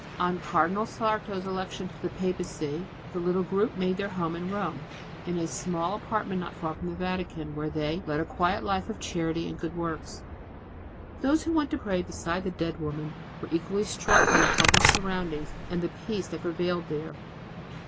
On Cardinal Sarto's election to the papacy the little group made their home in Rome in a small apartment not far from the Vatican, where they led a quiet life of charity and good works. Those who went to pray beside the dead woman were equally struck by the humble surroundings and the peace that prevailed there.